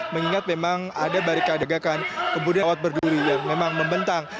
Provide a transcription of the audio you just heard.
mengingat memang ada barikadegakan kemudian alat berduri yang memang membentang